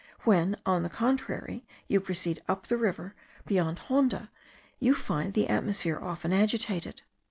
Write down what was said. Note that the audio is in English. When, on the contrary, you proceed up the river beyond Honda, you find the atmosphere often agitated.